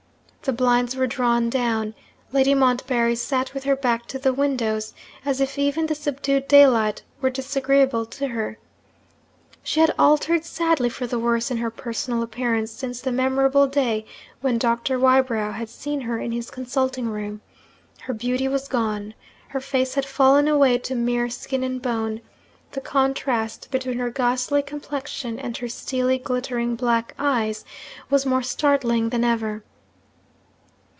The blinds were drawn down. Lady Montbarry sat with her back to the windows, as if even the subdued daylight were disagreeable to her. She had altered sadly for the worse in her personal appearance, since the memorable day when Doctor Wybrow had seen her in his consulting room. Her beauty was gone her face had fallen away to mere skin and bone; the contrast between her ghastly complexion and her steely glittering black eyes was more startling than ever.